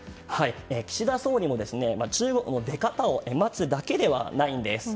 岸田総理も、中国の出方を待つだけではないんです。